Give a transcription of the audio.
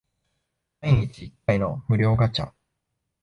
毎日一回の無料ガチャ